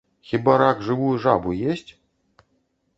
Хіба рак жывую жабу есць?